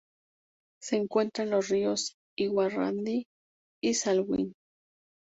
Se encuentra en los ríos Irrawaddy y Salween.